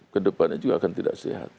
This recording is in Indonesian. ke depannya juga akan tidak sehat